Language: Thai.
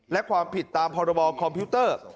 และความผิดตามพรบคอมพิวเตอร์